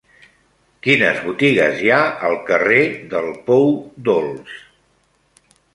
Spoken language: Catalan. Quines botigues hi ha al carrer del Pou Dolç?